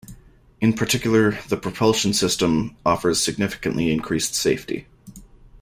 In particular, the propulsion system offers significantly increased safety.